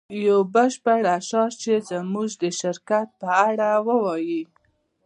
یو بشپړ شعار چې زموږ د شرکت په اړه ووایی